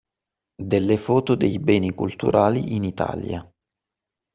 Delle foto dei beni culturali in Italia.